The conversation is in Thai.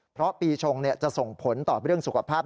เพราะปีชงจะส่งผลต่อเรื่องสุขภาพ